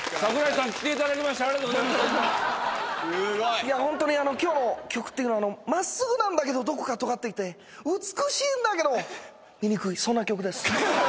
いやホントにあの今日の曲っていうのはあのまっすぐなんだけどどこかとがっていて美しいんだけど醜いそんな曲です。